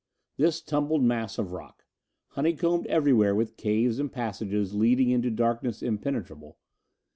This tumbled mass of rock! Honeycombed everywhere with caves and passages leading into darkness impenetrable.